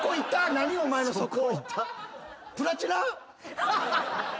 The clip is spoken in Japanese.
何お前のそこ。